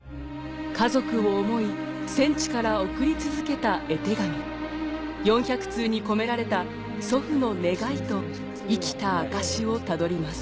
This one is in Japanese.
家族を思い戦地から送り続けた絵手紙４００通に込められた祖父の願いと生きた証しをたどります